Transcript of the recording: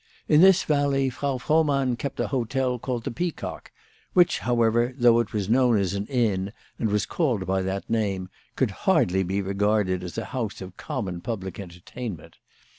In this valley Frau Frohmann kept an hotel called the Peacock, which, however, though it was known as an inn, and was called by that name, could hardly be regarded as a house of common public entertainment.